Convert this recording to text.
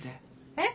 えっ？